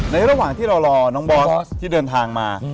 ระหว่างที่เรารอน้องบอสที่เดินทางมา